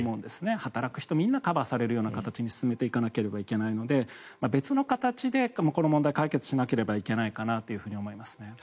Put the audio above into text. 働く人みんなカバーされる形に進めていかなければいけないので別の形でこの問題を解決しなければいけないかなと思いますね。